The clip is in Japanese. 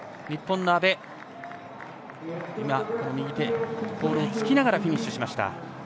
日本の阿部右手でポールをつきながらフィニッシュしました。